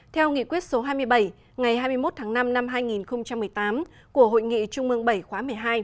theo nghị quyết số hai mươi bảy ngày hai mươi một tháng năm năm hai nghìn một mươi tám của hội nghị trung mương bảy khóa một mươi hai